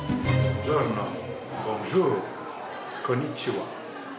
こんにちは。